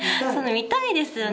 診たいですよね。